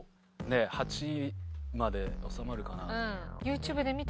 ８まで収まるかな。